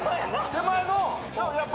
手前の。